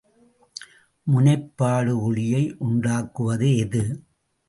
முனைப்படு ஒளியை உண்டாக்குவது எது?